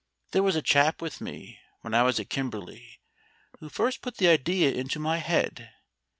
There was a chap with me when I was at Kimberley who first put the idea into my head.